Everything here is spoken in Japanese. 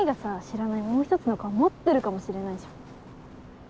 知らないもう一つの顔持ってるかもしれないじゃん！